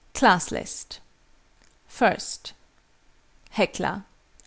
CLASS LIST. I. HECLA.